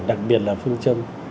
đặc biệt là phương châm